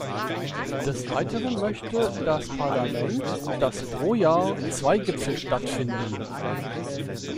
Des Weiteren möchte das Parlament, dass pro Jahr zwei Gipfel stattfinden.